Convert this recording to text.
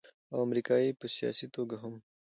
او امريکې په سياسي توګه هم